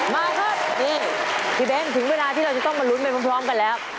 มาครับนี่พี่เบ้นถึงเวลาที่เราจะต้องมาลุ้นไปพร้อมกันแล้ว